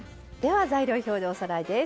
材料表でおさらいです。